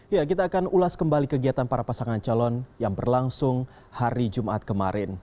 ya kita akan ulas kembali kegiatan para pasangan calon yang berlangsung hari jumat kemarin